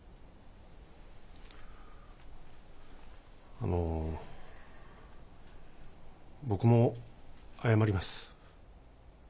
あの僕も謝ります。